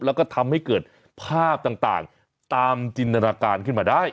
แล้วก็ทำให้เกิดภาพต่างตามจินตนาการขึ้นมาได้